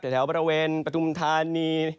แถวแถวบริเวณประธุมธานี